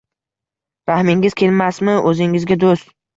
Rahmingiz kelmasmi o’zingizga, Do’st?!